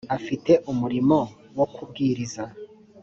afite umurimo wo kubwiriza